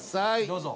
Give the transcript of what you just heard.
どうぞ。